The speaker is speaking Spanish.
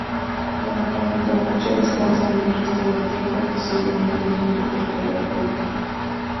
Trabajaban de noche, descansando el resto del tiempo, posiblemente huyendo del calor del día.